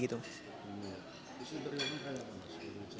iya itu interiornya kaya apa